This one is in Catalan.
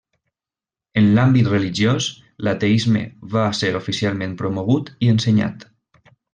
En l'àmbit religiós, l'ateisme va ser oficialment promogut i ensenyat.